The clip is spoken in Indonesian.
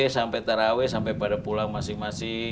sampai taraweh sampai pada pulang masing masing